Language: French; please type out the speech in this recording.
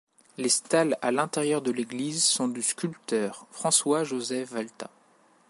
Les stalles à l'intérieur de l'église sont du sculpteur François Joseph Valtat.